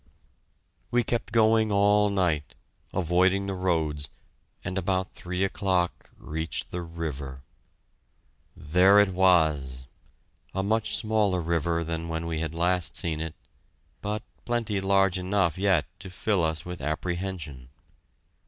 We kept going all night, avoiding the roads, and about three o'clock reached the river. There it was! a much smaller river than when we had last seen it, but plenty large enough yet to fill us with apprehension.